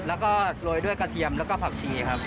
แล้วก็โรยด้วยกระเทียมแล้วก็ผักชีครับ